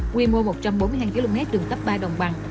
nguyên mô một trăm bốn mươi hai km đường cấp ba đồng bằng